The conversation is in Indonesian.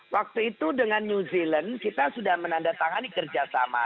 waktu itu dengan new zealand kita sudah menandatangani kerjasama